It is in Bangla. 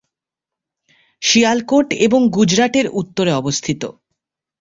শিয়ালকোট এবং গুজরাট এর উত্তরে অবস্থিত।